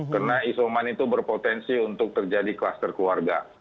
karena isoman itu berpotensi untuk terjadi kluster keluarga